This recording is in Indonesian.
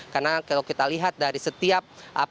karena kalau kita lihat dari setiap